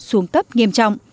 xuống cấp nghiêm trọng